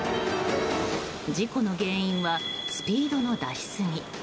事故の原因はスピードの出しすぎ。